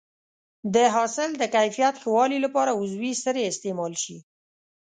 د حاصل د کیفیت ښه والي لپاره عضوي سرې استعمال شي.